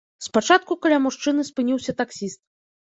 Спачатку каля мужчыны спыніўся таксіст.